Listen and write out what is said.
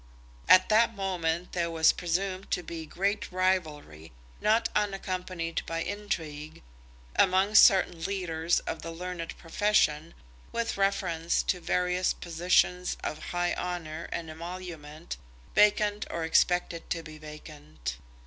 At that moment there was presumed to be great rivalry, not unaccompanied by intrigue, among certain leaders of the learned profession with reference to various positions of high honour and emolument, vacant or expected to be vacant.